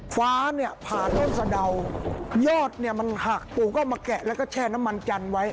ฟ้าผ่านต้นสะเดายอดมันหักปูก็เอามาแกะแล้วก็แช่น้ำมันจันทร์ไว้